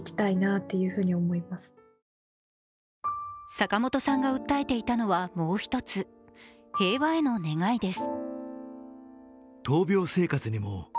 坂本さんが訴えていたのはもう一つ、平和への願いです。